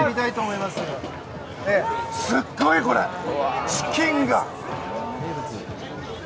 すごい！これ、チキンが。